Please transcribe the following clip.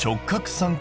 三角。